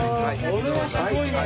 これはすごいね。